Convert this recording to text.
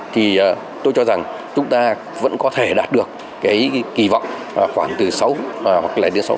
thì tôi cho rằng chúng ta vẫn có thể đạt được cái kỳ vọng khoảng từ sáu hoặc là đến sáu năm